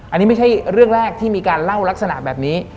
อันนี้ไม่ใช่เรื่องแรกที่มีการเล่าลักษณะแบบนี้